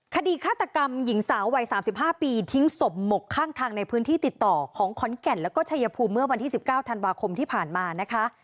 คดีฆาตกรรมหญิงสาววัย๓๕ปีทิ้งศพหมกข้างทางในพื้นที่ติดต่อของขอนแก่นแล้วก็ชายภูมิเมื่อวันที่๑๙ธันวาคมที่ผ่านมานะคะ